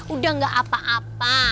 udah gak apa apa